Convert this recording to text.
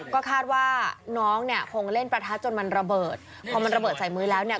ก็คาดว่าน้องเนี่ยคงเล่นประทัดจนมันระเบิดพอมันระเบิดใส่มือแล้วเนี่ย